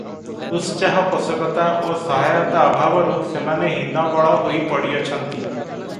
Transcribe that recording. ଉତ୍ସାହପୋଷକତା ଓ ସହାୟତା ଅଭାବରୁ ସେମାନେ ହୀନବଳ ହୋଇ ପଡ଼ିଅଛନ୍ତି ।